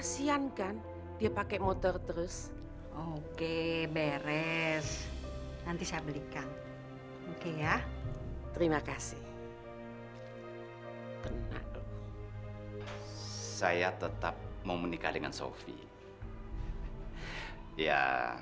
saya tetap mau menikah dengan sophie